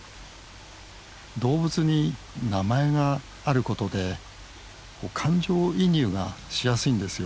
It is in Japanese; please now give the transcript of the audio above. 動物に名前があることで感情移入がしやすいんですよ。